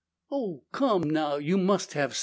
"Oh, come now! You must have somethin'!"